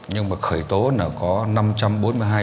nhưng mà khởi tố có năm trăm bốn mươi vụ án